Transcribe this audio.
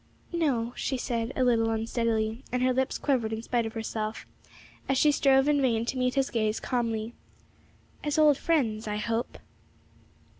'No,' she said, a little unsteadily, and her lips quivered in spite of herself, as she strove in vain to meet his gaze calmly; 'as old friends, I hope.'